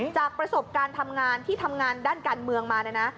จากประสบการณ์ทำงานที่ทำงานด้านการเมืองมาเนี่ยนะ